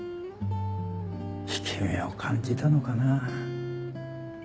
引け目を感じたのかなぁ。